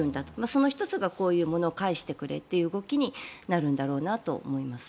その１つがこういうものを返してくれという動きになるんだろうなと思います。